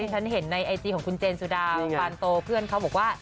ฉันเห็นในไอจีของคุณเจนสุดาปานโตเพื่อนเขาบอกว่า